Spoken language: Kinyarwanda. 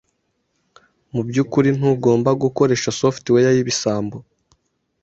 Mubyukuri ntugomba gukoresha software yibisambo.